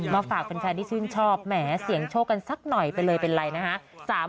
ฝากแฟนที่ชื่นชอบแหมเสี่ยงโชคกันสักหน่อยไปเลยเป็นไรนะฮะ